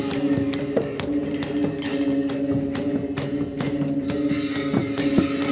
สวัสดีสวัสดี